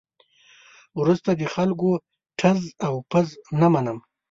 وروسته د خلکو ټز او پز نه منم.